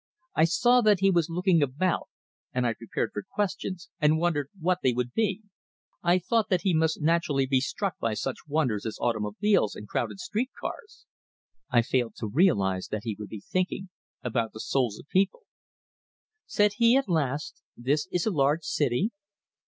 I saw that he was looking about, and I prepared for questions, and wondered what they would be. I thought that he must naturally be struck by such wonders as automobiles and crowded street cars. I failed to realize that he would be thinking about the souls of the people. Said he, at last: "This is a large city?"